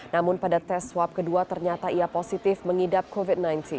namun pada tes swab kedua ternyata ia positif mengidap covid sembilan belas